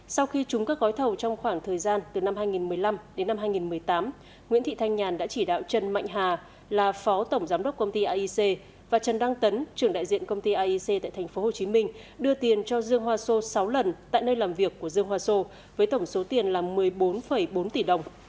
sau khi trúng các gói thầu trong khoảng thời gian từ năm hai nghìn một mươi năm đến năm hai nghìn một mươi tám nguyễn thị thanh nhàn đã chỉ đạo trần mạnh hà là phó tổng giám đốc công ty aic và trần đăng tấn trưởng đại diện công ty iec tại tp hcm đưa tiền cho dương hoa sô sáu lần tại nơi làm việc của dương hoa sô với tổng số tiền là một mươi bốn bốn tỷ đồng